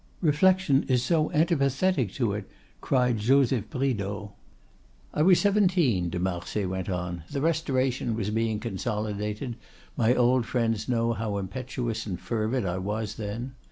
"Reflection is so antipathetic to it!" cried Joseph Bridau. "I was seventeen," de Marsay went on; "the Restoration was being consolidated; my old friends know how impetuous and fervid I was then.